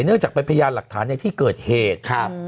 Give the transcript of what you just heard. เนื่องจากเป็นพยานหลักฐานในที่เกิดเหตุครับ